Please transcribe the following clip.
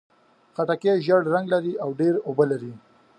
خټکی ژېړ رنګ لري او ډېر اوبه لري.